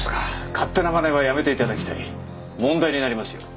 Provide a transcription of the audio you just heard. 勝手なまねはやめて頂きたい問題になりますよ